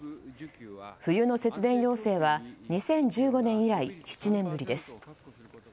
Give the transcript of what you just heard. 冬の節電要請は２０１５年以来７年ぶりです。